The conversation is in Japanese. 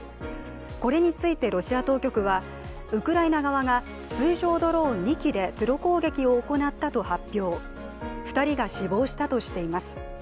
これについてロシア当局はウクライナ側が、水上ドローン２機でテロ攻撃を行ったと発表、２人が死亡したとしています。